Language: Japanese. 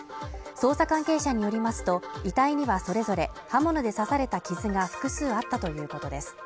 捜査関係者によりますと遺体にはそれぞれ刃物で刺された傷が複数あったということです